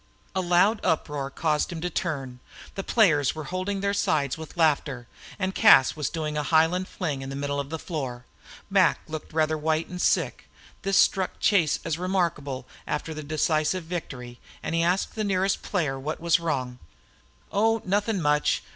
A loud uproar caused him to turn. The players were holding their sides with laughter, and Cas was doing a Highland fling in the middle of the floor. Mac looked rather white and sick. This struck Chase as remarkable after the decisive victory, and he asked the nearest player what was wrong. "Oh! nuthin' much!